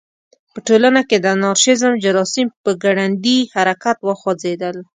په ټولنه کې د انارشیزم جراثیم په ګړندي حرکت وخوځېدل.